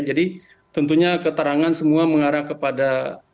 jadi tentunya keterangan semua mengarah kepada